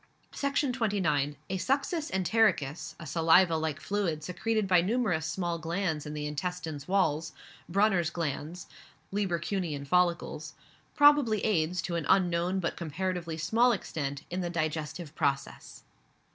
Section 29. A succus entericus, a saliva like fluid secreted by numerous small glands in the intestine wall (Brunner's glands, Lieberkuhnian follicles), probably aids, to an unknown but comparatively small extent, in the digestive processes.